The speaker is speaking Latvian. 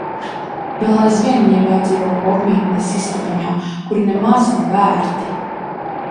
Vēl aizvien viņiem jādzīvo kopmītnes istabiņā, kur nemaz nav ērti.